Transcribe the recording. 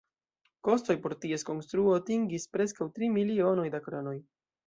Kostoj por ties konstruo atingis preskaŭ tri milionoj da kronoj.